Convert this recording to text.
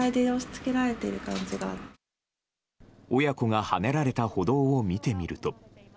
親子がはねられた歩道を見てみると。